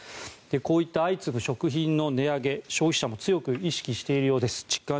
こういった相次ぐ食品の値上げ消費者も強く実感しているようです。